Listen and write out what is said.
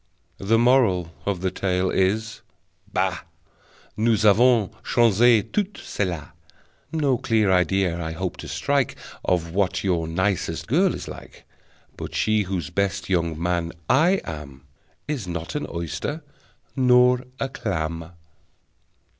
The Moral of the tale is: Bah! Nous avons changé tout celà. No clear idea I hope to strike Of what your nicest girl is like, But she whose best young man I am Is not an oyster, nor a clam!